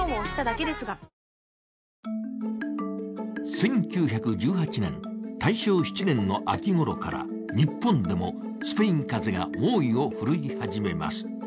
１９１８年、大正７年の秋ごろから日本でもスペイン風邪が猛威を振るい始めます。